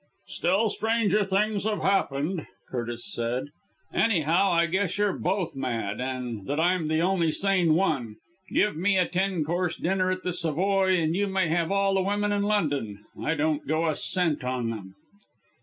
"Still, stranger things have happened," Curtis said. "Anyhow, I guess you're both mad and that I'm the only sane one. Give me a ten course dinner at the Savoy, and you may have all the women in London I don't go a cent on them."